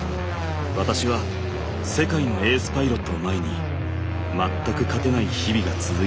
私は世界のエースパイロットを前に全く勝てない日々が続いていました。